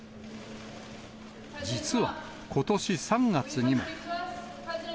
実はことし３月にも。